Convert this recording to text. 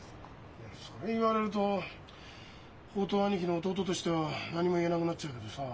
いやそれ言われると放蕩兄貴の弟としては何も言えなくなっちゃうけどさ。